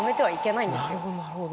なるほどなるほど。